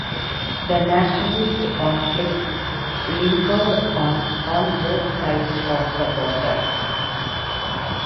The nationalist conflicts lingered on, on both sides of the border.